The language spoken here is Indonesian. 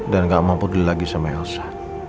dan gak mampu lagi dengan elsa